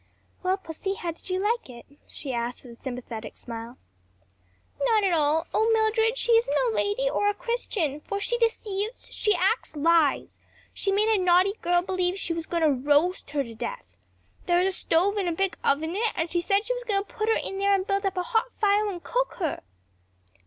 "Well, pussy, how did you like it?" she asked with a sympathetic smile. "Not at all. O Mildred, she isn't a lady or a Christian; for she deceives; she acts lies; she made a naughty girl believe she was going to roast her to death. There's a stove and a big oven in it; and she said she was going to put her in there and build up a hot fire and cook her."